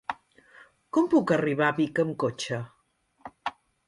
Com puc arribar a Vic amb cotxe?